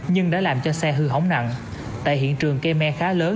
nhưng đã làm cho xe hư hỏng nặng tại hiện trường cây me khá lớn